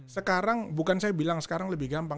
sekarang bukan saya bilang sekarang lebih gampang